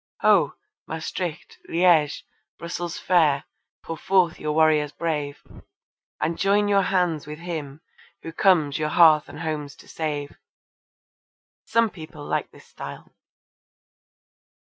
Ho! Maestricht, Liege, Brussels fair! pour forth your warriors brave, And join your hands with him who comes your hearths and homes to save. Some people like this style.